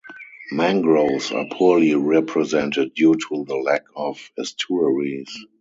Mangroves are poorly represented due to the lack of estuaries.